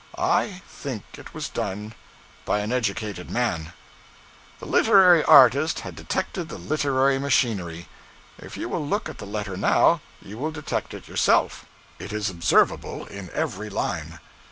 I think it was done by an educated man.' The literary artist had detected the literary machinery. If you will look at the letter now, you will detect it yourself it is observable in every line.